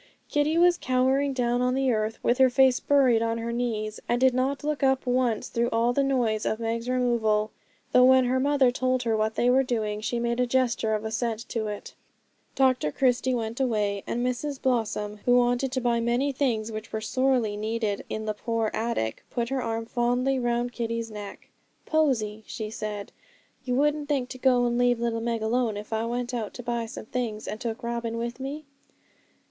Kitty was cowering down on the hearth, with her face buried on her knees, and did not look up once through all the noise of Meg's removal; though when her mother told her what they were doing she made a gesture of assent to it. Dr Christie went away; and Mrs Blossom, who wanted to buy many things which were sorely needed in the poor attic, put her arm fondly round Kitty's neck. 'Posy,' she said, 'you wouldn't think to go and leave little Meg alone if I went out to buy some things, and took Robin with me?'